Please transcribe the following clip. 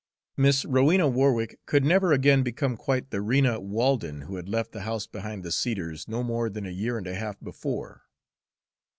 Miss Rowena Warwick could never again become quite the Rena Walden who had left the house behind the cedars no more than a year and a half before.